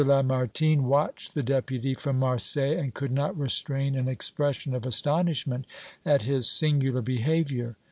Lamartine watched the Deputy from Marseilles and could not restrain an expression of astonishment at his singular behavior.